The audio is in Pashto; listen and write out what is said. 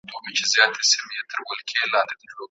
ایا نه اغوستل کېږي؟